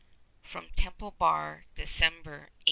(From Temple Bar, December 1867.)